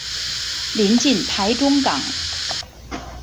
临近台中港。